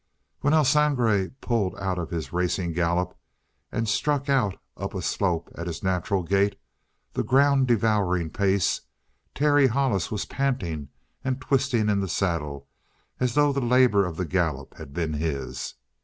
When El Sangre pulled out of his racing gallop and struck out up a slope at his natural gait, the ground devouring pace, Terry Hollis was panting and twisting in the saddle as though the labor of the gallop had been his.